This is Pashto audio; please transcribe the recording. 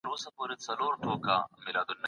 د تورو شپو سپين څراغونه مړه ســول